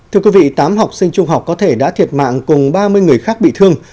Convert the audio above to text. thưa quý vị tám học sinh trung học có thể đã thiệt mạng cùng ba mươi người khác bị thương